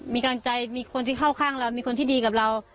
มีกำลังใจมีคนที่เข้าข้างเรามีคนที่ดีกับเรา